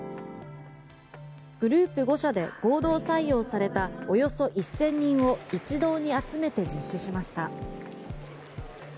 グループ５社で合同採用されたおよそ１０００人を一堂に集めて実施しました。